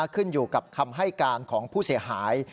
ขึ้นอยู่กับคำให้การของผู้เสียหาย